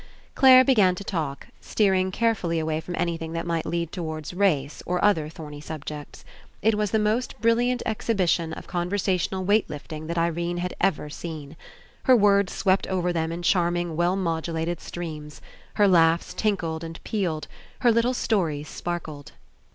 Clare began to talk, steering carefully away from anything that might lead towards race or other thorny subjects. It was the most brilliant exhibition of conversational weight lifting that Irene had ever seen. Her words swept over them in charming well modulated streams. Her laughs tinkled and pealed. Her little stories sparkled.